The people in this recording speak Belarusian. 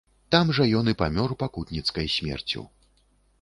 Там жа ён і памёр пакутніцкай смерцю.